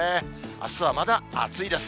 あすはまだ暑いです。